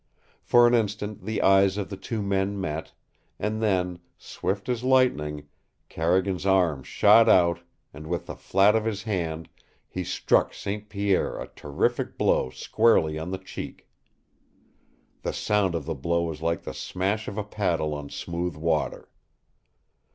For an instant the eyes of the two men met, and then, swift as lightning, Carrigan's arm shot out, and with the flat of his hand he struck St. Pierre a terrific blow squarely on the cheek. The sound of the blow was like the smash of a paddle on smooth water.